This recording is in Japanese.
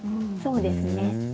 そうですね。